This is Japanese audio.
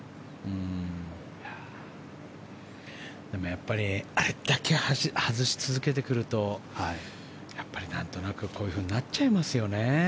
でも、やっぱりあれだけ外し続けてくるとやっぱり、なんとなくこうなっちゃいますよね。